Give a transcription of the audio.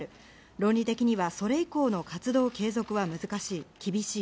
論理的にはそれ以降の活動継続は厳しい。